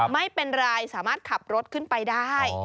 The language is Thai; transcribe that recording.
ไม่เป็นไรสามารถขับรถขึ้นไปได้